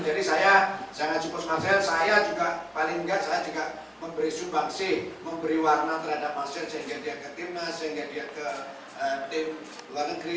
jadi saya sangat support marcel saya juga paling enggak saya juga memberi subaksi memberi warna terhadap marcel sehingga dia ke tim nasional sehingga dia ke tim luar negeri